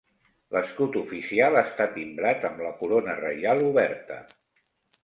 L'escut oficial està timbrat amb la corona reial oberta.